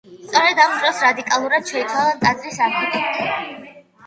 სწორედ ამ დროს რადიკალურად შეიცვალა ტაძრის არქიტექტურა.